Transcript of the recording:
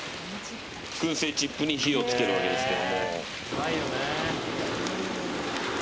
燻製チップに火を付けるわけですけど。